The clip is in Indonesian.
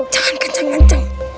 jangan kencang kencang